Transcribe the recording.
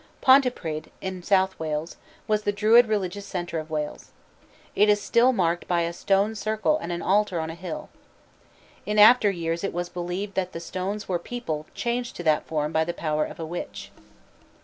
Pontypridd, in South Wales, was the Druid religious center of Wales. It is still marked by a stone circle and an altar on a hill. In after years it was believed that the stones were people changed to that form by the power of a witch.